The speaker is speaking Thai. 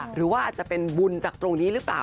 หรือว่าอาจจะเป็นบุญจากตรงนี้หรือเปล่า